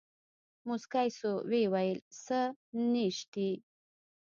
موسکى سو ويې ويل سه نيشتې.